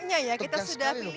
menunya ya kita sudah pilih